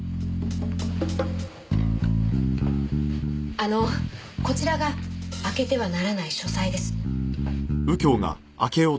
あのこちらが開けてはならない書斎です。